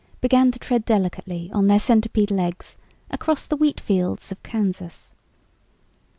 began to tread delicately on their centipede legs across the wheat fields of Kansas.